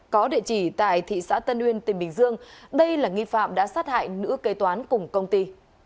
có địa chỉ tại thị xã tân uyên tỉnh bình dương đây là nghi phạm đã sát hại nữ kế toán cùng công ty